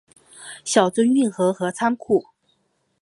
小樽运河和仓库